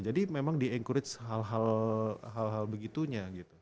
jadi memang di encourage hal hal begitunya gitu